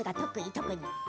特に。